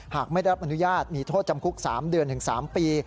หากไม่ได้รับอนุญาตมีโทษจำคุก๓เดือนถึง๓ปี